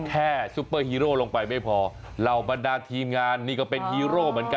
เหนียวแน่นหนึบ